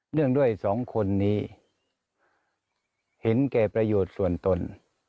เรื่องด้วยสองคนนี้เห็นแก่ประโยชน์ส่วนตน